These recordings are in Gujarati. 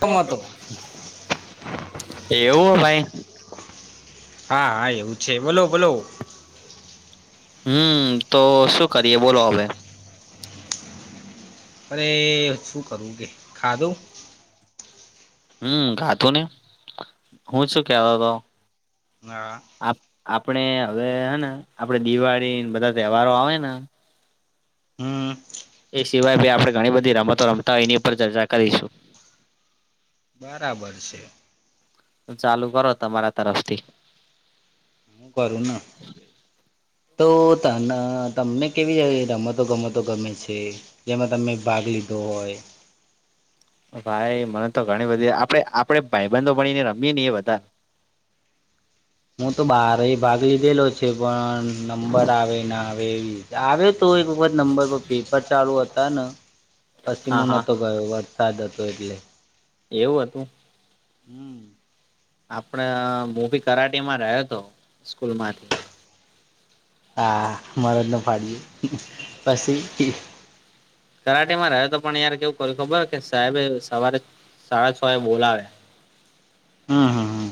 રમતો એવું હો ભાઈ હા હા એવું છે બોલો બોલો હમ તો શું કરીએ બોલો હવે. અરે શું કરું કે ખા દઉ હમ ગાતું ને હું શું કે હતો. ના આપણે હવે હેને આપણેે દિવાળી બધા તહેવારો આવે ને. હમ એ સિવાય ભ આપડણે ઘણી બધી રમતો રમતા હોય એની ઉપર ચર્ચા કરીશું. બરાબર છે. ચાલુ કરો તમારા તરફથી હું કરું ના તો ત તમને કેવી છે રમતો ગમતો ગમે છે જેમાં તમે ભાગ લીધો હોય ભાઈ મને તો ઘણી બધી આપડણે આપડે ભાઈબંધો ભણીને રમીએ ને એ બધારે હું તો બારે ભાગ લીધેલો છે પણ નંબર આવે ના આવે એવી આવે તો એક વખત નંબર પર પેપર ચાલુ હતા ને પછી હા હા મુુંહતો ગયો વરસાદ હતો એટલે એવું હતું. હમ આપણે મવી કરાટી માં રહ્યો હતો સ્કૂલ માંથી હા મારજ ન ફાડીએ પછી કરાટી માં રહે તો પણ યાર કેવું કર્યું ખબર કે સાહેબ સવારે સાડા છ એ બોલાવે હા હા હા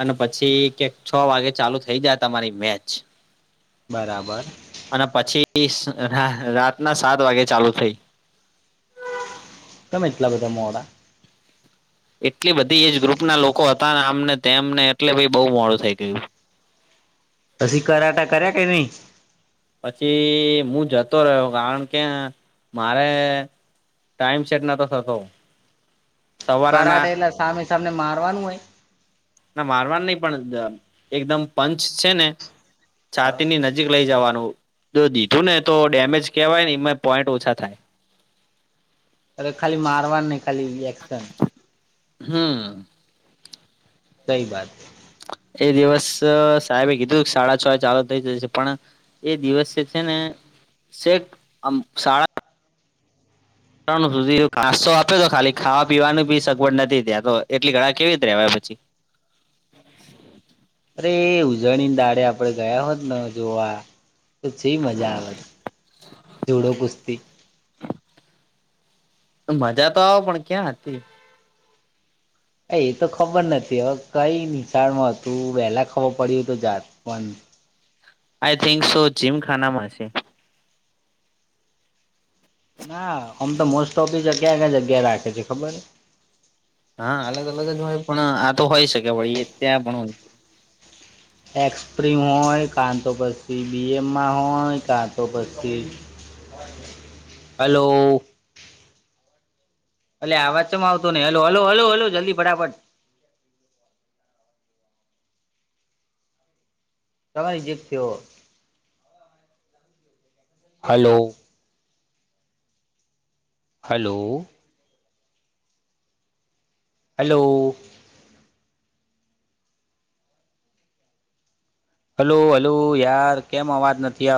અને પછી ક છ વાગે ચાલુ થઇ જાય તમારી મેચ બરાબર અને પછી રાતના સાત વાગે ચાલુ થઈ કેમે એટલા બધા મોડા એટલી બધી એજ ગ્રુપ ના લોકો હતા ને આમને તેમને એટલે પહિ બહુ મોડું થઈ ગયું પછી કરાટા કર્યા કે નઈ પછી હું જતો રહ્યો કારણ કે હેને મારે ટાઈમ સેટ નતો થતો સવારના કરાડે એટલે સામે સામેને મારવાનું હોય ના મારવા નહી પણ એકદમ પંચ છે ને છાતીની નજીક લઈ જવાનું જો દીધું ને તો ડેમેજ કેવાય ને એ પોઈન્ટ ઓછા થાય અરે ખાલી મારવા નહી ખાલી એક્શન હમ્મ. સહી બાત એ દિવસ અ સાહેબે કીધું સાડા છો એ ચાલુ થઈ જશે પણ એ દિવસે છે ને શેખ આમ શાળા રણુંજ સુધી નાસ્તો આપયો તો ખાલી ખાવા પીવાનું ભી વડ નથી ત્યા તો એટલી ઘણા કેવી રીતે રેવાય હવે પછી અરે ઉજણીની દાળે આપડે ગયા હોત ને જોવા તો જે મજા આવે જુડો કુસ્તી મજા તો આવ પણ ક્યાં હતી એ તો ખબર નથી હવે કઈ નિશાળમાં હતું વહેલા ખબર પડ્યું તો જાત પણ આઈ થિંક સો જીમ ખાનામાં છે ના આમ તો મોસ્ટ ઓફી ક્યાં કયાં જગ્યા રાખે છે ખબર હા અલગ અલગ જ હોય પણ આ તો હોય શકે ભઈ એ ત્યાં પણ હોય એક્સપિમ હોય કા તો પછી બીએમમાં હોય કા તો પછી હલો. આલ્યા અવાજ ચમ આવતો નઈ હલો હલો હલો હલો જલ્દી ફટાફટ તમારી જીભ જેવો hello. Hello. Hello. Hello hello યાર કેમ અવાજ નથી આવ